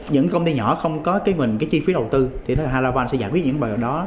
những công ty nhỏ không có chi phí đầu tư thì haravan sẽ giải quyết những bài đó